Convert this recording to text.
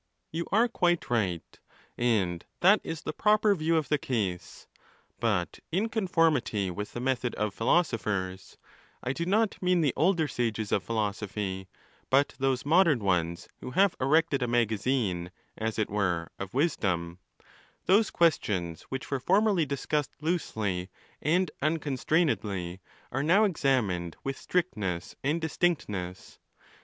—You are quite right, and that is the proper view of the case. But in conformity with the method of philoso 'phers, (1 do not mean the older sages of philosophy, but those modern ones, who have erected a magazine, as it were, of wisdom,) those questions which were formerly discussed loosely and unconstrainedly, are now examined with strict ness and distinctness.